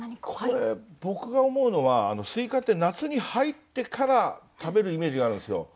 これ僕が思うのは西瓜って夏に入ってから食べるイメージがあるんですよ。